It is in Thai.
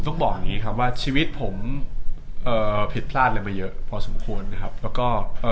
ต้องบอกแบบนี้ครับว่าชีวิตผมผิดพลาดอะไรมาเยอะพอสมควรแล้วก็